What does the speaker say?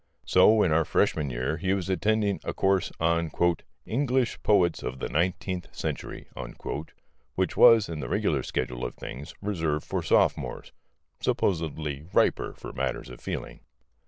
So, in our freshman year, he was attending a course on "English Poets of the Nineteenth Century," which was, in the regular schedule of things, reserved for sophomores (supposedly riper for matters of feeling).